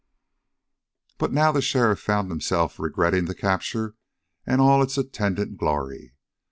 But now the sheriff found himself regretting the capture and all its attendant glory.